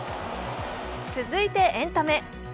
続いてエンタメ。